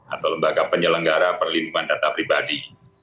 atau lembaga penyelenggara perlindungan data pribadi